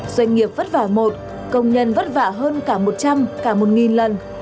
doanh nghiệp vất vả một công nhân vất vả hơn cả một trăm linh cả một lần